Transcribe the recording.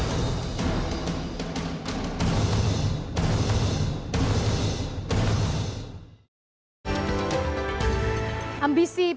yang ketiga sebagai perusahaan